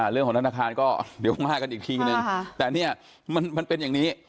เรื่องของธนาคารก็เดี๋ยวมากกันอีกทีหนึ่งแต่มันเป็นอย่างนี้